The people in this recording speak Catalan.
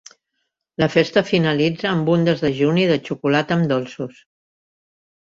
La festa finalitza amb un desdejuni de xocolata amb dolços.